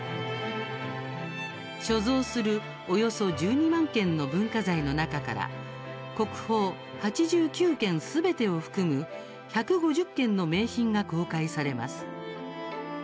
所蔵するおよそ１２万件の文化財の中から国宝８９件すべてを含む１５０件の名品が公開されます。